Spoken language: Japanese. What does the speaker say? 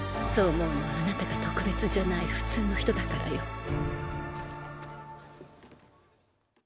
そう思うのはあなたが特別じゃない普通の人だからよ。